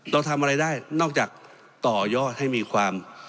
เราทำอะไรได้นอกจากต่อยอดให้มีความ